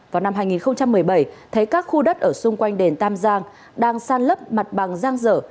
vào năm hai nghìn một mươi bảy thấy các khu đất ở xung quanh đền tam giang đang san lấp mặt bằng giang dở